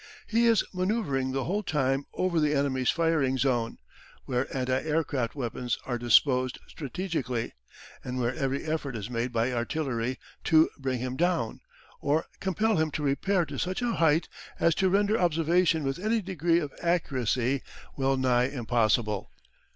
He is manoeuvring the whole time over the enemy's firing zone, where anti aircraft weapons are disposed strategically, and where every effort is made by artillery to bring him down, or compel him to repair to such a height as to render observation with any degree of accuracy well nigh impossible.